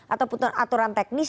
ataupun aturan teknis